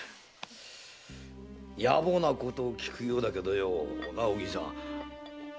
野暮なことを聞くようだけどお吟さん